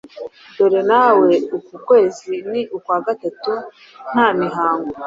Dore nawe uku kwezi ni ukwa gatatu nta mihango.